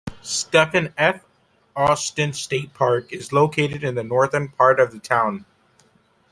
Stephen F. Austin State Park is located in the northern part of the town.